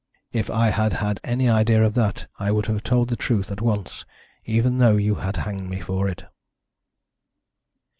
If I had had any idea of that I would have told the truth at once, even though you had hanged me for it."